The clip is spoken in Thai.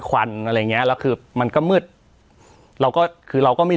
ควันอะไรอย่างเงี้ยแล้วคือมันก็มืดเราก็คือเราก็ไม่รู้